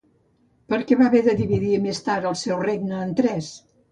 Per què va haver de dividir més tard el seu regne en tres?